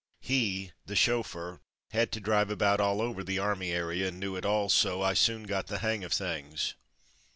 He, the chauffeur, had to drive about all over the army area and knew it all so I soon got the hang of things.